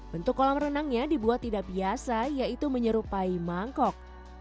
bentuk kolam renangnya dibuat tidak biasa yaitu menyerupai mangkok